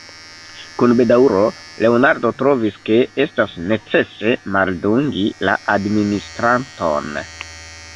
Kun bedaŭro Leonardo trovis, ke estas necese maldungi la administranton.